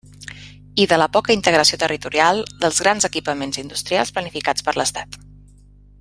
I de la poca integració territorial dels grans equipaments industrials planificats per l'Estat.